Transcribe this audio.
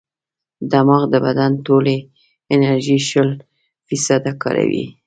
دماغ د بدن ټولې انرژي شل فیصده کاروي.